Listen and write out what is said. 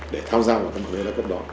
để tham gia vào mạng lễ đa cấp đó